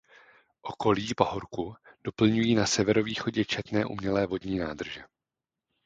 Okolí pahorku doplňují na severovýchodě četné umělé vodní nádrže.